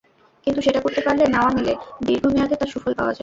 কিন্তু সেটা করতে পারলে মেওয়া মেলে, দীর্ঘ মেয়াদে তার সুফল পাওয়া যায়।